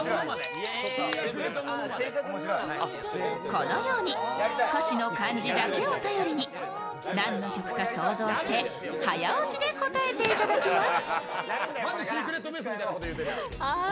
このように歌詞の漢字だけを頼りに何の曲か想像して早押しで答えていただきます。